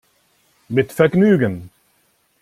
Mit Vergnügen!